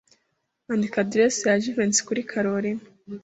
Andika adresse ya Jivency kuri Kalorina.